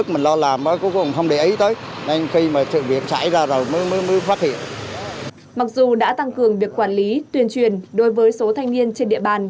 mặc dù đã tăng cường việc quản lý tuyên truyền đối với số thanh niên trên địa bàn